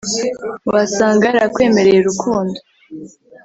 wasanga yarakwemereye urukundo